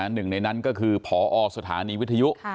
หนึ่งในนั้นก็คือพอสถานีวิทยุ